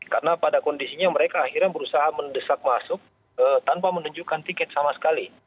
karena pada kondisinya mereka akhirnya berusaha mendesak masuk tanpa menunjukkan tiket sama sekali